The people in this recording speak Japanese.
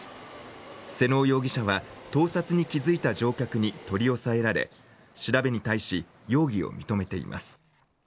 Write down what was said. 妹尾容疑者は、盗撮に気付いた乗客に取り押さえられ、調べに対し、容疑を認めています。